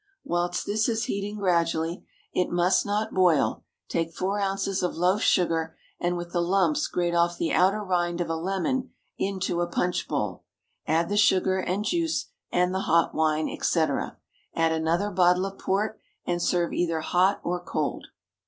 Whilst this is heating gradually it must not boil take four ounces of loaf sugar, and with the lumps grate off the outer rind of a lemon into a punch bowl. Add the sugar, and juice, and the hot wine, etc. Add another bottle of port, and serve either hot or cold.